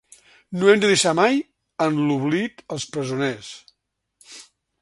No hem de deixar mai en l’oblit els presoners.